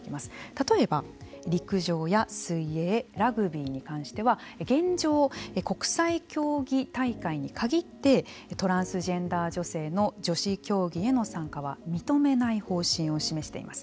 例えば、陸上や水泳ラグビーに関しては現状、国際競技大会に限ってトランスジェンダー女性の女子競技への参加は認めない方針を示しています。